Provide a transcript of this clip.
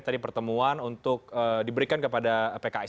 tadi pertemuan untuk diberikan kepada pks